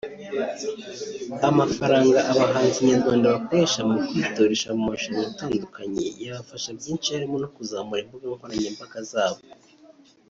Amafaranga abahanzi nyarwanda bakoresha mukwitoresha mu marushwa atandukanye yabafasha byinshi harimo no kuzamura imbuga nkoranya mbaga zabo